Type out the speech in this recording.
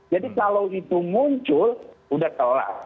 jadi kalau itu muncul sudah telah